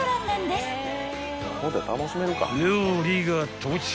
［料理が到着］